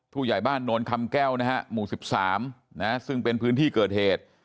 ผู้ใหญ่บ้านโนนคำแก้วนะฮะหมู่๑๓ซึ่งเป็นพื้นที่เกิดเหตุ